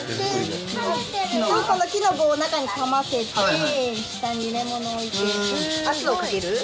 でこの木の棒を中にかませて下に入れ物を置いて圧をかける。